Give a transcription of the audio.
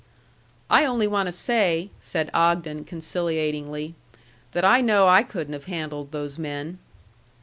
"I only want to say," said Ogden, conciliatingly, "that I know I couldn't have handled those men."